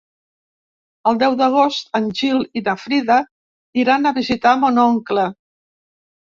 El deu d'agost en Gil i na Frida iran a visitar mon oncle.